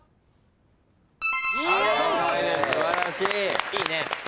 いいね。